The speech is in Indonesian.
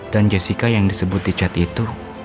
dan jessica yang disebut di chat itu